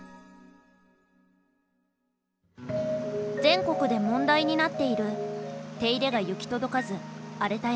全国で問題になっている手入れが行き届かず荒れた山。